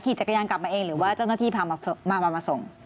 จักรยานกลับมาเองหรือว่าเจ้าหน้าที่พามาส่ง